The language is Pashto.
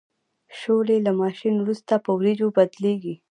شولې له ماشین وروسته په وریجو بدلیږي.